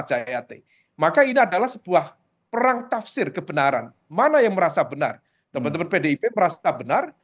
jayati maka ini adalah sebuah perang tafsir kebenaran mana yang merasa benar teman teman pdip merasa benar